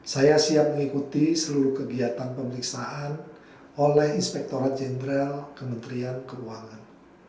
saya siap mengikuti seluruh kegiatan pemeriksaan oleh inspektorat jenderal kementerian keuangan